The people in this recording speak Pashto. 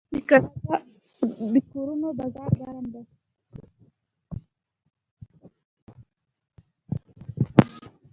د کاناډا د کورونو بازار ګرم دی.